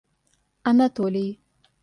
Анатолий